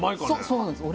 そうなんです。